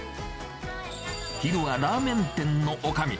昼はラーメン店のおかみ。